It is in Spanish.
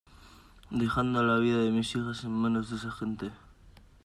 dejando la vida de mis hijas en manos de esa gente.